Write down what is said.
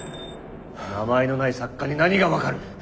名前のない作家に何が分かる。